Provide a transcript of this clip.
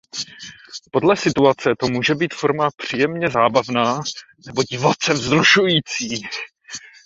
Podle situace to může být forma příjemně zábavná nebo divoce vzrušující.